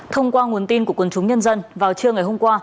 thông qua nguồn tin của quân chúng nhân dân vào trưa ngày hôm qua